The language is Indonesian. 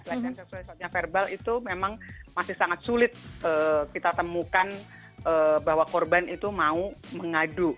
pelecehan seksual yang saatnya verbal itu memang masih sangat sulit kita temukan bahwa korban itu mau mengadu